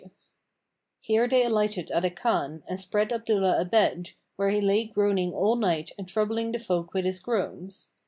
[FN#551] Here they alighted at a Khan and spread Abdullah a bed, where he lay groaning all night and troubling the folk with his groans.